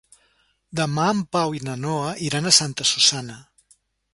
Demà en Pau i na Noa iran a Santa Susanna.